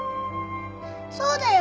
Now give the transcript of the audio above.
そうだよ。